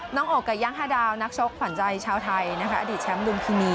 อกกับย่างฮาดาวนักชกขวัญใจชาวไทยนะคะอดีตแชมป์ลุมพินี